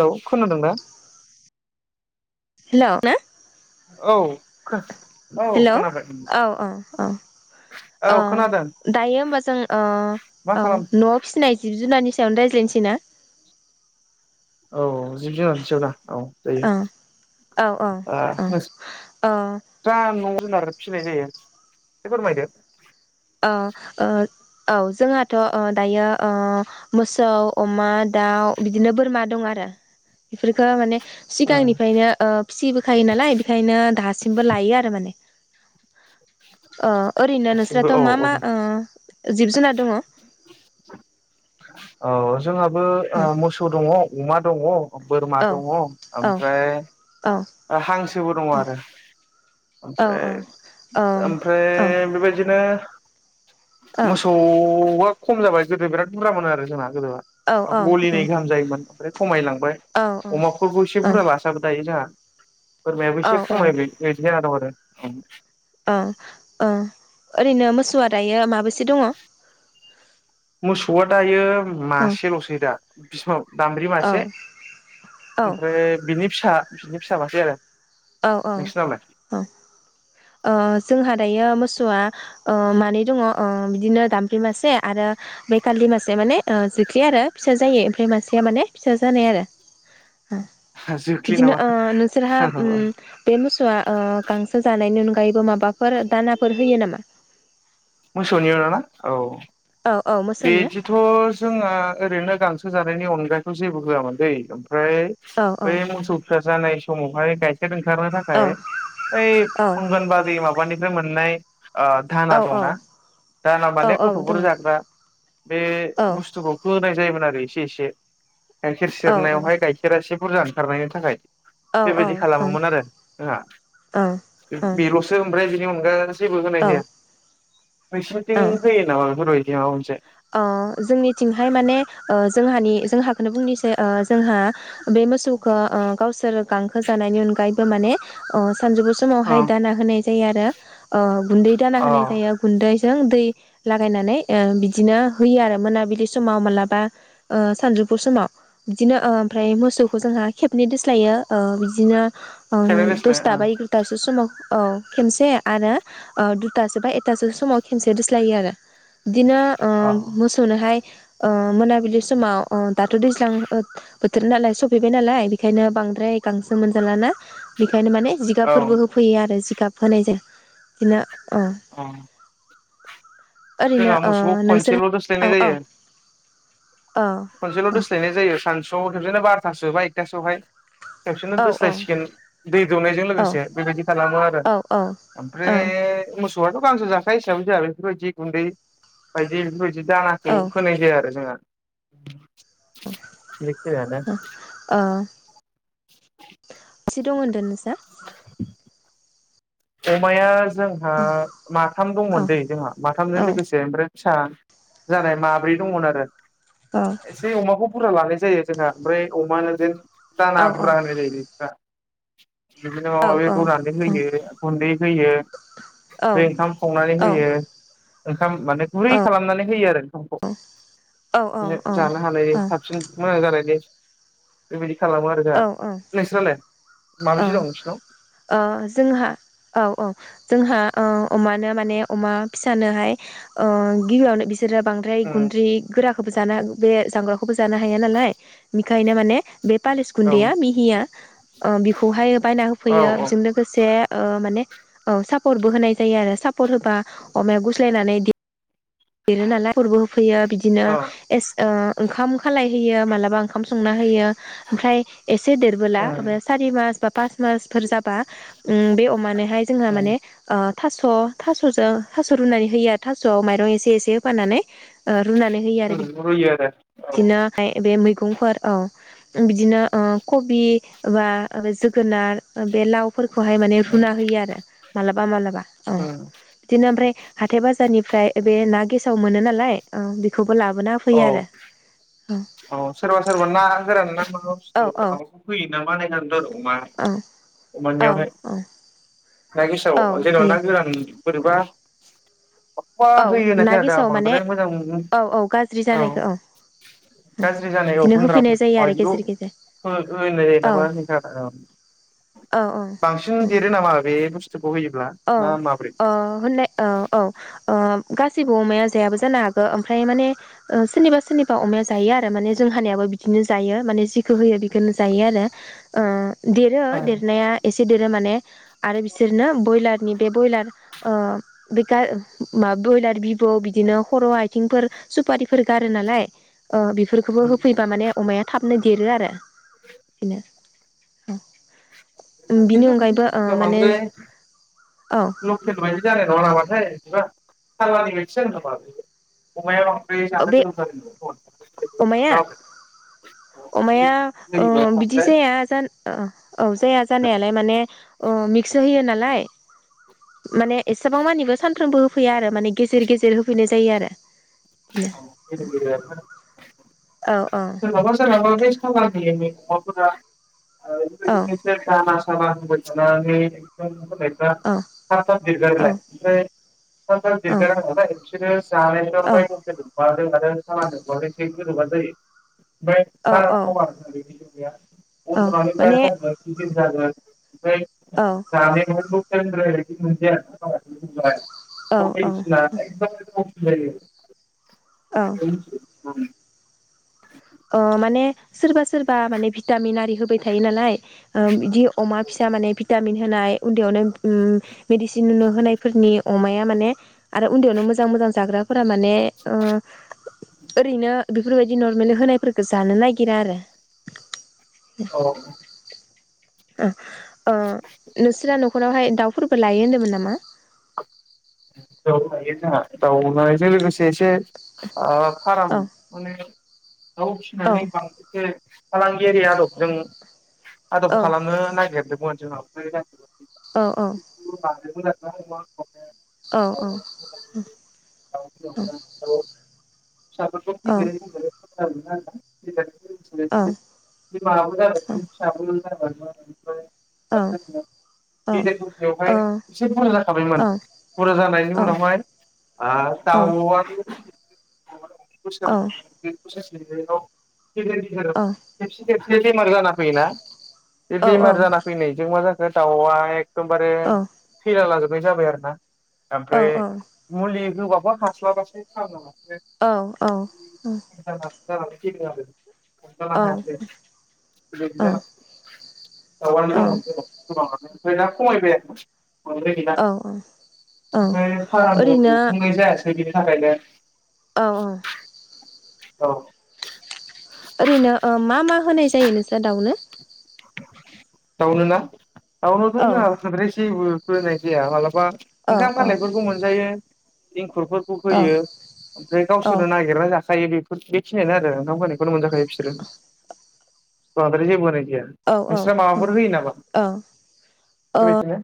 Hello खोनदोंना? [unintelligible] औ औ hello खोनाबाय औ ओं औ औ दायो होनबा जों औ मा औ खालाम न'आव फिसिनाय जिब जुनारनि फिसायावनो रायज्लायनोसै ना? औ जिब जुनारसायाव दा ओं औ ओं औ ओ नोंस्रा औ न'आव जुनार फिसिनाय जायो एसे फोरमायदो औ ओ औ जोंहाथ' अ दायो ओ मोसौ अमा दाउ बिदिनो बोरमा दं आरो बेफोरखो माने उम सिगांनिफायनो ओ फिसिबोखायो नालाय बेखायनो दासिमबो लायो आरो माने अ ओरिनो नोंस्रा दासिमबो थ' औ मा मा औ ओ जिब जुनार दङ? औ जोंहाबो ओ औ मोसौ दङ अमा दङ बोरमा औ दङ औ औ ओमफ्राय ओ हांसोबो दङ आरो औ औ ओमफ्राय औ औ ओमफ्राय बेबायदिनो औ मोसौ आ खम जाबाय गोदो बिराद बुरजा मोन आरो जोंहा गोदो गलिनै गाहाम जायोमोन ओमफ्राय खमायलांबाय अमाखौ एसे बुरजा लासाबो दायो जोंहा। बोरमायाबो औ एसे खमाय बिदि जाना दं आरो [unintelligible] अ ओं मोसौआ दायो औ मासेलसै दा बिसिबां दामब्रि औ मासे औ ओमफ्राय बिनि फिसा बिनि फिसा मासे आरो औ औ नोंसिनावलाय औ ओ जोंहा दायो मोसौ सौवा ओ मानै दङ ओ बिदिनो दामब्रि मासे आरो बेै खालि मासेया माने जोख्लि आरो फिसा जायि ओमफ्राय मासेया माने फिसा जानाय आरो जोख्लि बिदिनो नामा ओ नोंसोरहा ओम बे मोसौआ ओ गांसो जानायनि न आयबो माबाफोर दानाफोर होयो नामा मोसौनि उनावना औ औ औ मोसौनिया बिदिथ जोंना ओरैनो गां सो जानायनि अनगायै जेबो होआमोन दै ओमफ्राय औ औ बेै मोसौ फिसा जानाय समावहाय से ओंखारनो औ थाखाय बै औ अंगनबादि माबानिफ्राय मोननाय ओ धाना औ दंना दाना औ माने औ दङ गथफोर जाग्रा बे औ बुस्थुकौथ होनाय जायोमोन आरो एसे एसे गाइखेर औ सेरनायावहाय गाइखेरा एहे बुरजा ओंखारनायनि थाखाय औ बेबायदि औ खालामोमोन आरो जोंहा औ बेलसो ओमफ्राय [unintelligible] जेबो होनाय औ जाया औ नोंसोरनिथिं होयो नामा बेफोरबायदि [unintelligible] ओ जोंनिथिंहाय माने जोंहानि जोंहाखौनो बुंनोसै जोंहा बे मोसौखो गावसोर गांखो जानायनि अनगायैबो माने सानजौफु अ समावहाय दाना होनाय जायो आरो ओ गुन्दै दाना होनाय जायो गुन्दै जों दै लागायनानै ओ बि दिनो होयो आरो मोनाबिलि समाव मालाबा ओ सानजुफु समाव बिदिनो ओमफ्राय मोसौखौ जोंहा खेबनै दोस्लायो बिदिनो ओ खेबनै दोस्लाय दसता बा अ एगारतासो समाव औ खनसे आरो ओ दुथासो बा एथासो समाव खेबसे दोस्लायो आरो। ओ मोसौनोहाय ओ मोनाबिलि समाव ओ दाथ' दैज्लां बोथोर नालाय सफैबाय नालाय बेखायनो बांद्राय गांसो मोनजालाना बे बेखायनो माने औ जिगाफोरबो होफैयो आरो। जिगाब होनायजों बिदिनो अह [inaudible] ओरैनो जोंहा मोसौखौ ओ खनसेल' दोस्लायनाय औ जायो। औ खनसेल दोस्लायनाय जायो सानसुआव बिदिनो बारथासो बा एकथासोआवहाय खबसेननो औ दोस्लायसिगोन दै दौनायजों औ लोगोसे बेबायदि खालामो आरो ओमफ्राय मो गांसो जाखायो हिसाबै जोंहा बेफोर बाइदि गुन्दै बाइदि बेफोरबायदि बि दानाखौ औ होनाय जाया आरो जोंहा। [unintelligible] [unintelligible] मा बेसे दं होन्दों नोंसा? अमाया जोंहा औ माथाम औ दंमोन दै जोंहा माथामजों औ लोगोसे ओमफ्राय फिसा जानाय माब्रै दङमोन आरो औ एसे अमाखौ बुरजा लालै जायो जोंहा ओमफ्राय अमाजों दाना औ बुरजा औ होनाय जायो [unintelligible] बिदिनो औ माबा माबि औ रुनानै होयो गुन्दै होयो ओमफाय ओंखाम संनानै होयो ओंखाम माने गुरै खालामनानै होयो आरो ओंखामखौ जानो हानाय साबसिन मोजां जानायनि बेबाइदि खालामो आरो जोंहा नोंसोरलाय अ अ जोंहा औ औ जोंहा ओ अमानो माने अमा फिसानोहाय ओ गिबियावनो बि बिसोर बांद्राय उम गुन्द्रि गोरा [unintelligible] बे जाग्राखौ जानो हाया नालाय बेनिखायनो माने बे पालिस औ गुन्दैया मिहिया बेखौहाय बायना होफैयो औ बेजों लोगोसे ओ माने औ सापर बो होनाय जायो आरो सापर होबा अमाया गुस्लायनानै देरो नालाय खरबो होफैयो बिदिनो औ ए ओंखाम खालाय होयो मालाबा ओंखाम संना होयो ओमफ्राय एसे देरबोला ओमफ्राय उम सारि मास बा पास मासफोर जाबा बे अमानोहाय जोंहा माने ओ थास' थास'जों थास' रुनानै होयो थास'आव माइरं एसे एसे होफाननानै ओ रुनानै होयो आरो उम रुयो आरो बिदिनो [unintelligible] बे मै मैगंफोर औ बिदिनो ओ कबि बा जोगोनार बे लाव फोरखौहाय माने औ रुना होयो आरो मालाबा मालाबा औ उम बिदिनो ओमफ्राय हाथाइ बाजारनिफ्राय बे ना गेसाव मोनो नालाय ओ बेखौ खौ लाबोना हो फैयो आरो। अ सोरबा सोरबा ना गोरान ना माबा औ बुसथु माबाखौ होयो नामा होनना खोनादोंथ' आरो अमा औ औ अमानियावहाय औ ना औ गेसाव जेनेबा ना होयो गोरान बोरैबा अबा औ होयो होननाय ना खोनादों आ गेसाव माने बांद्राय मोजां औ औ गाज्रि जानायखौ औ [unintelligible] औ। गाज्रि जानाय औ बिदिनो होफैनाय गुन्द्राफोर जायो ओ आरो इदिखौ गेजेर गेजेर हो-होनाय जायो औ नामा नोंथां? औ औ बांसिन देरो नामा बे बुस औ ओ होननाय औ औ ओ गासिबो अमाया जायाबो जानो हागौ ओमफ्राय माने ओ सोरनिबा सोरनिबा बा अमाया जायो आरो माने जोंहानियाबो बिदिनो जायो माने जिखौ होयो बेखौनो जायो आरो ओ देरो देरनाया एसे देरो माने आरो बिसोरनो बयलारनि बे बयलार ओ बे गा बयलार बिब बु बिदिनो खर' आइ आथिंफोर सुपारिफोर गारो नालाय ओ बेफोरखौबो होफैबा माने अमाया थाबनो देरो आरो बिदिनो औ बिनि अनगायैबो ओ माने औ लकेट बायदि जानाय नङा नामाथाय, बिदिबा सालानि बायदि जागोन नामा बे अमाया, जानो बे गोनां जानाय अमाया नङा खोमा अमाया ओ होयोबा बिदि ओमफ्राय जाया ओ औ जाया जानायालाय माने, अ मिक्स होयो नालाय, माने एसेबां मानिबो सानफ्रोमबो, होफैया आरो माने गेजेर गेजेर होफैनाय जायो आरो बिदिनो [unintelligible] औ औ सोरनाबा सोरनाबा बै सालानि [unintelligible] [unintelligible] औ हाबा होबाय थानानै एकदम [unintelligible] [unintelligible] जेन'बा औ औ दै, ओमफ्राय औ बारा औ थावा आरोना बेजों औ गैया माने [unintelligible] बिदि जागोन, औ ओमफ्राय जानायाथ' [unintelligible] औ [unintelligible] जायो औ [unintelligible] [unintelligible] ओ माने सोरबा सोरबा माने भिटामिन आरि होबाय थायो नालाय बिदि अमा फिसा माने भिटामिन होनाय उन्दैयावनो उम, मेडिसिन नुनो होनायफोरनि अमाया माने, आरो उन्दैयावनो मोजां मोजां जाग्रा फोरा माने ओ ओरैनो। बेफोरबायदि नर्मेल होनाय। फोरखो जानो नागिरा आरो। औ। [inaudible] ओ नोंसोरा न'खरावहाय दाउ। फोरबो लायो होन्दोंमोन नामा। दउ लायो जोंहा दाउ लानायजों लोगोसे एसे आ फाराम औ माने दाउ औ फिसिनानै बांबोखो फालांगियारि आदब जों। औ आदब खालामनो नागिरदोंमोन। [unintelligible] औ औ। [unintelligible] औ औ औ। फिसाफोरखौ फेदेर [unintelligible] [unintelligible] [unintelligible] माबाबो जाबाय फिसाबो। [unintelligible] ओमफ्राय। [unintelligible] गेदेर दसेयावहाय एसे बुरजा जाखाबायमोन। बुरजा जानायनि उनावहाय ओ दाउआ [inaudible] [unintelligible] [unintelligible] [unintelligible] औ बे बेमार जाना फैयोना। बे बेमार जाना फैनायजों मा जा [unintelligible] दमबारे थैलाला बाय जाबाय आरो ना। ओमफ्राय मुलि। गोबाबो हास्लाबासो थार नामा। औ औ [unintelligible] [unintelligible] औ। बेराद खमायबाय आरो। मोनब्रै गैला औ औ। ओमफ्राय फारामखौ फुंनाय जायासै। बिदिनि थाखायनो औ औ। औ। ओरैनो ओ मा मा? होनाय जायो नोंस्रा दाउनो? दावनो ना? दाउनोथ' औ जोंहा [unintelligible] बोनाय जाया माला बा ओंखाम औ खालायफोरखौ मोनजायो। [unintelligible] खुरफोरखौ औ होयो ओमफ्राय औ गावसोरनो नागिरना जा खायो बेफोर बेखिनियानो आरो ओंखाम खालायफोर मोनजाखायो बिसोरो बांद्राय जेबो होनाय जाया। औ औ नोंस्रा औ माबाफोर होयो नामा औ बेबायदिनो?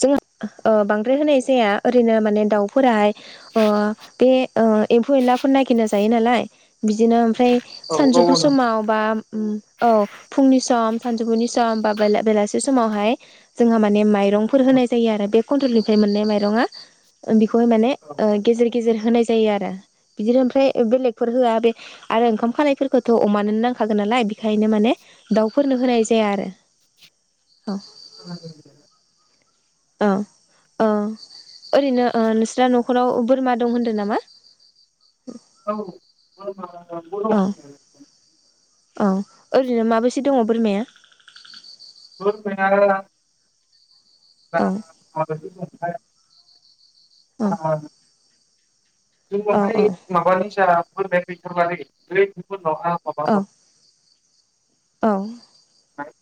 जोंहा ओ बांद्राय होनाय जाया ओरैनो माने दाउफोराहाय ओ बे ओ एम्फौ एनलाफोर नागिरना जायो नालाय बिदिनो ओमफाय औ गाव सानजौफु गावनो समाव बा उम औ फुंनि सम सानजौफुनि सम बा बेला-बेलासे समावहाय जोंहा माने माइ रंफोर होनाय जायो आरो। बे कनत्रेलनिफ्राय मोननाय माइरंआ बि खौहाय माने ओ गेजेर गेजेर होनाय जायो आरो। बिदिनो ओमफ्राय बेलेगफोर होआ बे आरो ओंखाम खानायफोरखौथ' अमानोनो नांखागोन नालाय बिखायनो माने दाउफोरनो होनाय जाया आरो औ। [unintelligible] औ औ ओरैनो ओ नोंस्रा न'खराव बोरमा दं होनदो नामा? औ [inaudible] औ [unintelligible] औ ओरैनो माबेसे दङ' बोरमाया? बोरमाया औ [unintelligible] अ औ औ जोंनावहाय माबानि जा बोरमाया गैथारला [unintelligible] [unintelligible] औ। [unintelligible]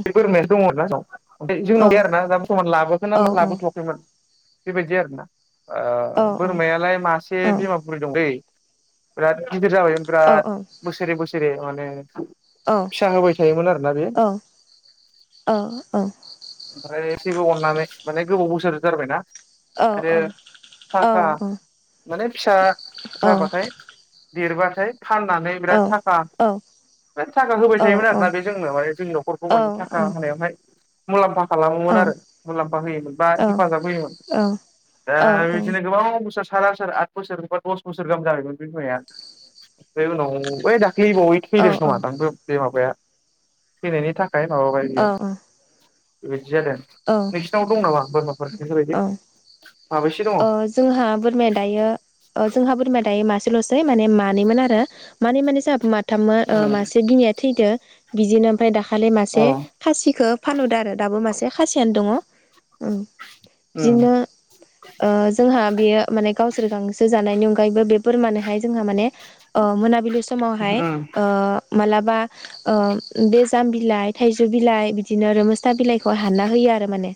औ बे बोरमाया दङ आरो ना जोंनाव औ औ गैया आरोना दा [unintelligible] लाबोखो ना लाबोथ'वाखैमोन। बेबायदि आरोना। ओ बोरमायालाय मासे बिमा बुरि दंदै। बेराद गि दिर जाबायमोन बिराद बोसोरे बोसोरे नो। फिसा होबाय थायोमोन आरोना बे अह अह अह। ओमफ्राय [unintelligible] बौ अरनानै माने गोबाव बोसोर गारबायना आरो थाखा माने फिसा जाबाथाय देरबाथाय फाननानै बिराद थाखा बिराद थाखा होबाय थायोमोन आरोना बे जोंनो माने जोंनि न'खरखौ माने थाखा होनायावहाय मुलामफा खालामोमोन आरो मुलाम्फा होयोमोन बा हेफाजाब होयोमोन दा बिदिनो गोबां बोसोर साथ आसार आथ बोसोरबा दस बोसोर गाहाम जाबायमोन बे बिमाया ओफ्राय उनाव बै दा ख्लैबावै थैदों खोमादां बे माबाया। थैनायनि था थाय माबाबाय बियो। [unintelligible] औ नोंसिनाव दं नामा बोरमाफोर बेफोरबायदि औ। माबैसे दङ अह जोंहा बोरमाया दायो ओ जोंहा बोरमाया दायो मा सेल'सै माने मानैमोन आरो मानै माने जाहाबो मा थामो मासे बिनाया थैदो। बिदिनो ओमफाय दा खालि मासे अ खासिखो फानहदो आरो दाबो मासे खासियानो दङ उम। उम बिदिनो ओ जोंहा बेयो माने गावसोर गांसो जानायनि उनगा गायैबो बे बोरमानोहाय जोंहा माने ओ मोनाबिलि समावहाय उम ओ मालाब बा ओ बे जाम बिलाइ थाइजौ बिलाइ बिदिनो रोमिसटा बिलाइखौ हा हानना होयो आरो माने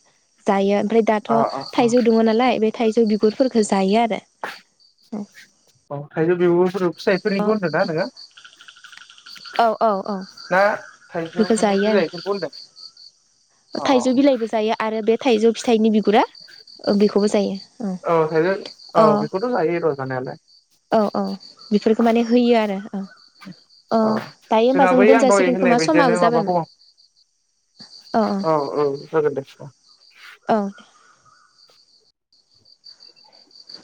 जायो। ओमफ्राय दाथ' अ अ थाइजौ दङ नालाय बे थाइजौ बिगुरफोर [inaudible] [inaudible] औ। औ औ ना बेखो थाइजौनि जायो बिलाइफोरखौ होनदों आरो अ थाइजौ बिलाइ औ थाइजौ औ बेखौथ' जायो र' जानायालाय अ दायो उमबा जोंहा जों बै आं दहाय होननाय बायदियनो समाबो माबा जाबायमोन हौवा औ औ जागोनदे। औ